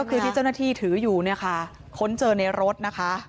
นี่คือที่เจ้าหน้าที่ถืออยู่ขนเจอในรถนะคะ